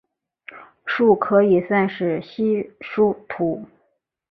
树可以算是稀疏图。